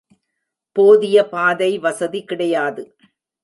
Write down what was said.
போதிய பாதை வசதி கிடையாது.